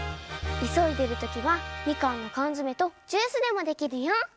いそいでるときはみかんのかんづめとジュースでもできるよ！